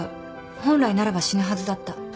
本来ならば死ぬはずだった。